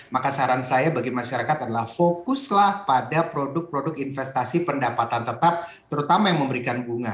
maka saran saya bagi masyarakat adalah fokuslah pada produk produk investasi pendapatan tetap terutama yang memberikan bunga